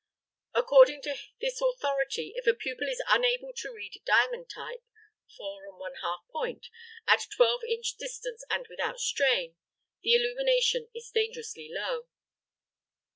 According to this authority, if a pupil is unable to read diamond type four and one half point "at twelve inch distance and without strain," the illumination is dangerously low.